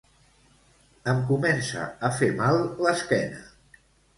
Em comença a fer mal l'esquena